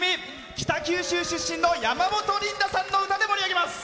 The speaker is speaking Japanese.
北九州市出身の山本リンダさんの歌で盛り上げます。